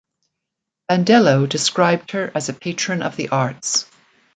Bandello described her as a patron of the arts.